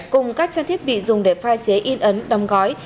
cùng các trang thiết bị dùng để phai chế in ấn đong gói